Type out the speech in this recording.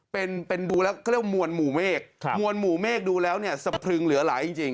เป็นเป็นบูแล้วก็เรียกว่ามวลหมู่เมฆครับมวลหมู่เมฆดูแล้วเนี่ยสะพรึงเหลือหลายจริง